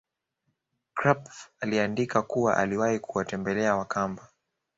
Krapf aliandika kuwa aliwahi kuwatembela wakamba